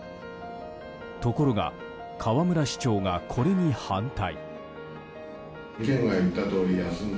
ところが、河村市長がこれに反対。